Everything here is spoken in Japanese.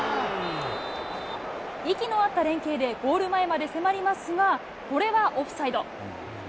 息の合った連係でゴール前まで迫りますが、これはオフサイド。